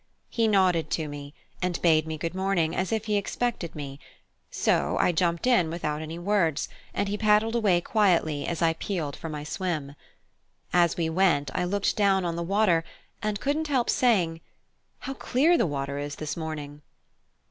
He nodded to me, and bade me good morning as if he expected me, so I jumped in without any words, and he paddled away quietly as I peeled for my swim. As we went, I looked down on the water, and couldn't help saying "How clear the water is this morning!"